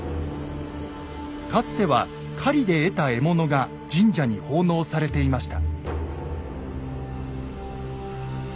かつては狩りで得た獲物が神社に奉納されていました。